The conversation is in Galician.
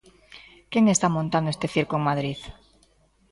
¿Quen está montando este circo en Madrid?